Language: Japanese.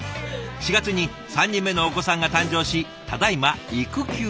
４月に３人目のお子さんが誕生しただいま育休中。